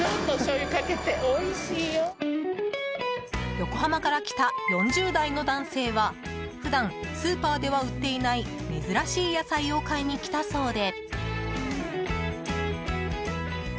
横浜から来た４０代の男性は普段スーパーでは売っていない珍しい野菜を買いに来たそうで。